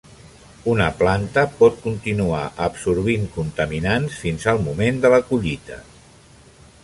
Una planta pot continuar absorbint contaminants fins al moment de la collita.